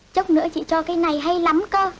chắc nữa chị cho cây này hay lắm cơ